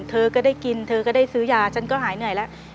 เธอก็ได้กินเธอก็ได้ซื้อยาฉันก็หายเหนื่อยแล้ว